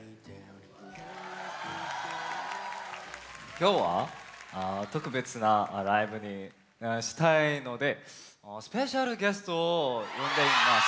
今日は特別なライブにしたいのでスペシャルゲストを呼んでいます！